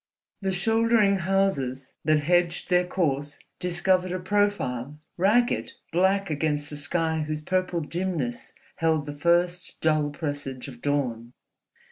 The shouldering houses that hedged their course discovered a profile, ragged, black against a sky whose purple dimness held the first dull presage of dawn.